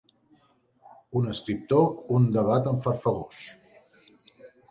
Un escriptor, un debat enfarfegós.